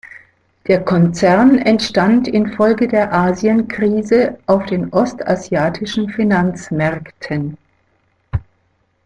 Der Konzern entstand infolge der Asienkrise auf den ostasiatischen Finanzmärkten.